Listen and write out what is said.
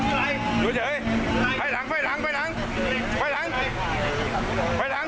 ไหวหลังไหวหลังไหวหลัง